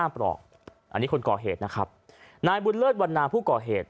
ปลอกอันนี้คนก่อเหตุนะครับนายบุญเลิศวันนาผู้ก่อเหตุ